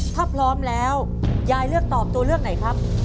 ถ้าพร้อมแล้วยายเลือกตอบตัวเลือกไหนครับ